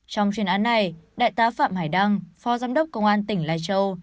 trong chuyên án này đại tá phạm hải đăng phó giám đốc công an tỉnh lai châu